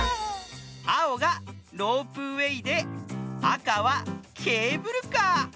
あおがロープウエーであかはケーブルカー。